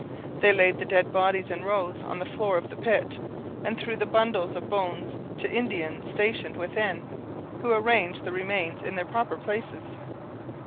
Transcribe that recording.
They laid the dead bodies in rows on the floor of the pit, and threw the bundles of bones to Indians stationed within, who arranged the remains in their proper places.